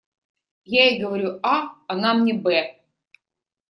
Я ей говорю «а», она мне «бэ»!